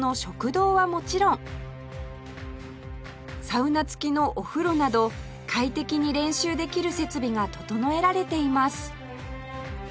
サウナ付きのお風呂など快適に練習できる設備が整えられています